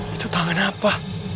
itu tangannya apa